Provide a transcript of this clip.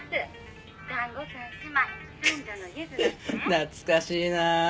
懐かしいな。